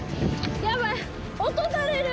やばい。